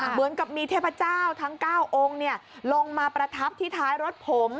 เหมือนกับมีเทพเจ้าทั้ง๙องค์ลงมาประทับที่ท้ายรถผม